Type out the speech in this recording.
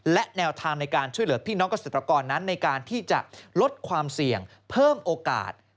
และแนวทางในการช่วยเหลือพี่น้องเกษตรกรนั้นในการที่จะลดความเสี่ยงเพิ่มโอกาส